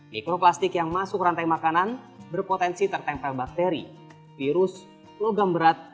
mikroplastik yang masuk rantai makanan berpotensi tertempel bakteri virus logam berat